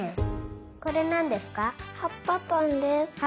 これなんですか？